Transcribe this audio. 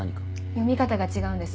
読み方が違うんです。